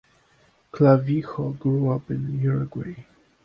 Clavijo grew up in Uruguay.